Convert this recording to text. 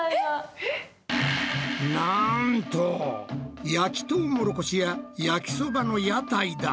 なんと焼きトウモロコシや焼きそばの屋台だ！